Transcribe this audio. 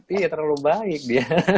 iya terlalu baik dia